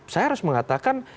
saya harus mengatakan